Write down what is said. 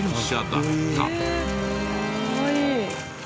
かわいい。